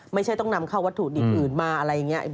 ไม่ใช่ต้องนำเข้าวัตถุดิบอื่นมาอะไรอย่างนี้